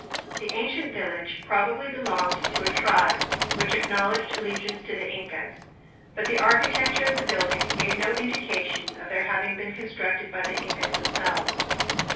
The ancient village probably belonged to a tribe which acknowledged allegiance to the Incas, but the architecture of the buildings gave no indication of their having been constructed by the Incas themselves.